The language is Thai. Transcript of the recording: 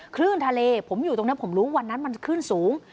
คลื่นทะเลผมอยู่ตรงนี้ผมรู้วันนั้นมันขึ้นสูง